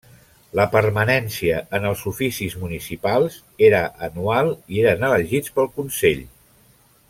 La permanència en els oficis municipals era anual i eren elegits pel consell.